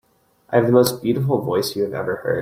I have the most beautiful voice you have ever heard.